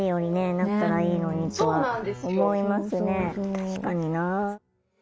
確かにな。